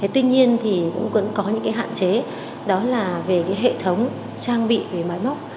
tuy nhiên thì cũng vẫn có những hạn chế đó là về hệ thống trang bị về máy móc